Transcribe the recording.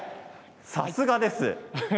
さすがです。